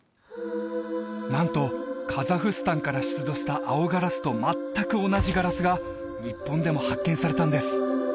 なんとカザフスタンから出土した青ガラスと全く同じガラスが日本でも発見されたんです